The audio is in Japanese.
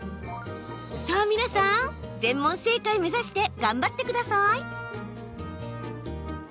さあ、皆さん全問正解、目指して頑張ってください。